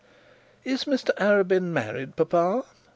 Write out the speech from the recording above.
'Is Mr Arabin married, papa?'